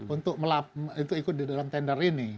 untuk ikut di dalam tender ini